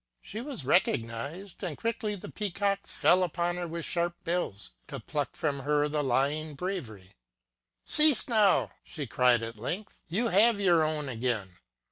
She was recognized, and quickly the Peacocks fell upon her with sharp bills, to pluck from her the lying bravery. Cease now ! she cried at length ; you have your own again